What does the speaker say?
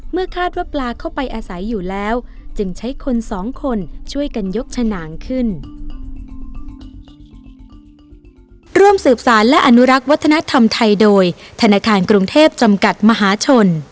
คาดว่าปลาเข้าไปอาศัยอยู่แล้วจึงใช้คนสองคนช่วยกันยกฉนางขึ้น